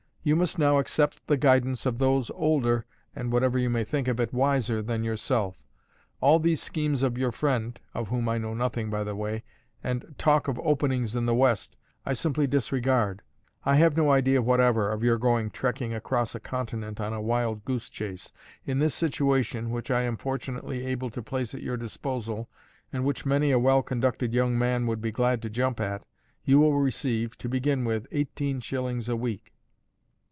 You must now accept the guidance of those older and (whatever you may think of it) wiser than yourself. All these schemes of your friend (of whom I know nothing, by the by) and talk of openings in the West, I simply disregard. I have no idea whatever of your going trekking across a continent on a wild goose chase. In this situation, which I am fortunately able to place at your disposal, and which many a well conducted young man would be glad to jump at, you will receive, to begin with, eighteen shillings a week."